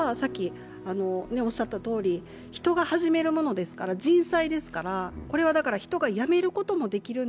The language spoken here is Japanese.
戦争は人が始めるものですから人災ですから、これは人がやめることもできるんだ。